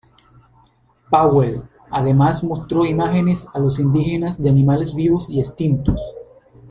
Powell, además, mostró imágenes a los indígenas de animales vivos y extintos.